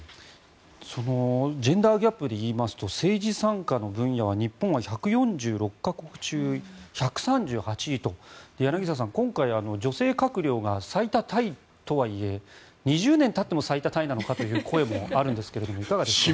ジェンダー・ギャップでいいますと政治参加の分野は日本は１４６か国中１３８位と柳澤さん、今回女性閣僚が最多タイとはいえ２０年たっても最多タイなのかという声もあるんですがいかがでしょうか。